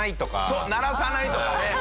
そう鳴らさないとかね。